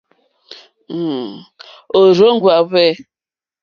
Òrzòŋwá hwɛ̂.